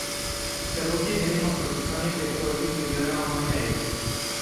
Serokê Herêma Kurdistanê pêşwazî li biryara Almanyayê kir.